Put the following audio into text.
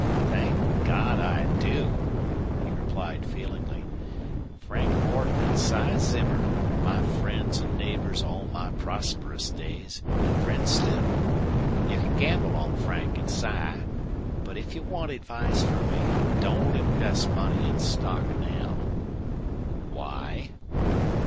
"Thank God I do," he replied, feelingly. "Frank Morton an' Si Zimmer, my friends an' neighbors all my prosperous days, an' friends still. You can gamble on Frank and Si. But if you want advice from me don't invest money in stock now." "Why?"